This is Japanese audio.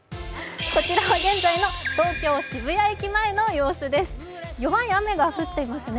こちらは現在の東京・渋谷駅前の様子です、弱い雨が降っていますね。